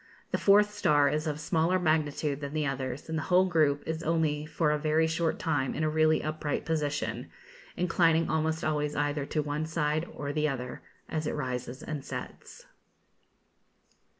The fourth star is of smaller magnitude than the others, and the whole group is only for a very short time in a really upright position, inclining almost always either to one side or the other, as it rises and sets.